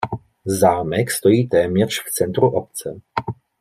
Zámek stojí téměř v centru obce.